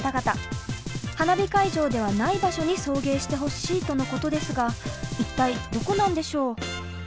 花火会場ではない場所に送迎してほしいとのことですが一体どこなんでしょう？